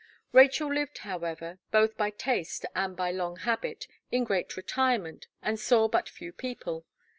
Rachel lived, however, both by taste and by long habit, in great retirement, and saw but few people.